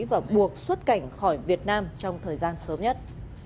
và buộc xuất cảnh khỏi việt nam trong thời gian sớm nhất